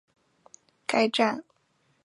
该站接驳公交东门口站。